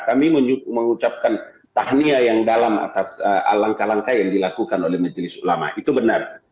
kami mengucapkan tahnia yang dalam atas langkah langkah yang dilakukan oleh majelis ulama itu benar